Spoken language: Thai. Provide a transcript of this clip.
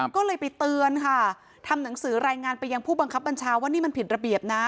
ก็เลยไปเตือนค่ะทำหนังสือรายงานไปยังผู้บังคับบัญชาว่านี่มันผิดระเบียบนะ